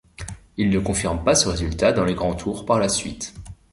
Il ne confirme pas ce résultat dans les grands tours par la suite.